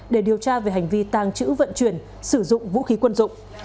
để điều tra về hành vi tàng trữ vận chuyển sử dụng vũ khí quân dụng